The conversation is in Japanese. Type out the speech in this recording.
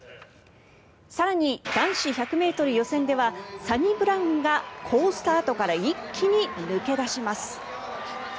更に、男子１００ｍ予選ではサニブラウンが好スタートから一気に抜け出します。